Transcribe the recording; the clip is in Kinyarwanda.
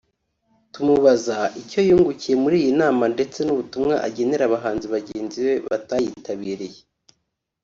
tumubaza icyo yungukiye muri iyi nama ndetse n’ubutumwa agenera abahanzi bagenzi be batayitabiriye